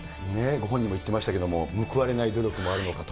ご本人も言ってましたけれども、報われない努力もあるのかと。